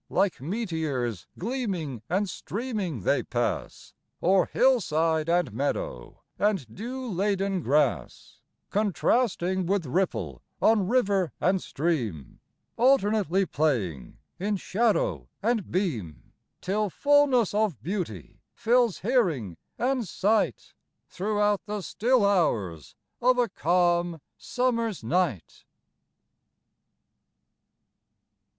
Like meteors, gleaming and streaming, they pass O'er hillside and meadow, and dew laden grass, Contrasting with ripple on river and stream, Alternately playing in shadow and beam, Till fullness of beauty fills hearing and sight Throughout the still hours of a calm summer's night.